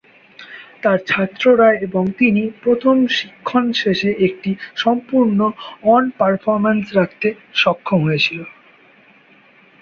তার ছাত্ররা এবং তিনি প্রথম শিক্ষণ শেষে একটি সম্পূর্ণ অন পারফরম্যান্স রাখতে সক্ষম হয়েছিল।